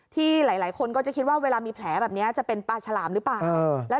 ที่หลายคนก็จะคิดว่าเวลามีแผลแบบนี้จะเป็นปลาฉลามหรือเปล่า